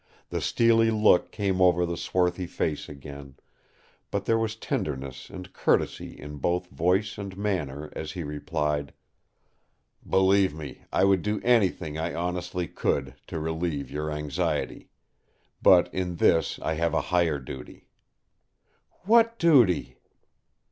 The steely look came over the swarthy face again; but there was tenderness and courtesy in both voice and manner as he replied: "Believe me, I would do anything I honestly could to relieve your anxiety. But in this I have a higher duty." "What duty?"